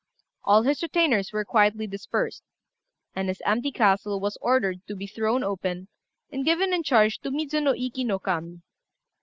All his retainers were quietly dispersed; and his empty castle was ordered to be thrown open, and given in charge to Midzuno Iki no Kami.